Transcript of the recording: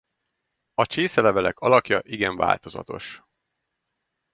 A csészelevelek alakja igen változatos.